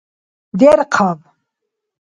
Дерхъаб!